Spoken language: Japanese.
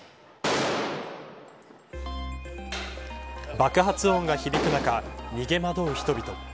爆発音が響く中逃げ惑う人々。